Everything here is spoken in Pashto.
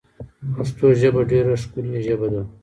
پشتو ژبه ډېره ښکولي ژبه ده